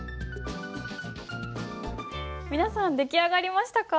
皆さん出来上がりましたか？